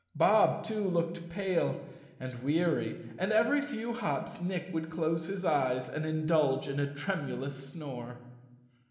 Bob, too, looked pale and weary, and every few hops Nick would close his eyes and indulge in a tremulous snore.